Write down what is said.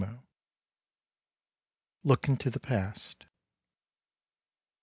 Look Into the Past.